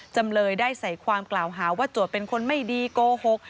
จำเลยได้ใส่ความกล่าวหาว่าโจทย์เป็นคนไม่ดีโกหก